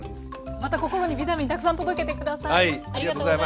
また心にビタミンたくさん届けて下さい。